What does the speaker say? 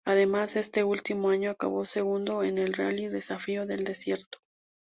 Además este último año acabó segundo en el Rally Desafío del Desierto.